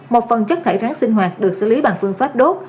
một phần chất thải rắn sinh hoạt được xử lý bằng phương pháp đốt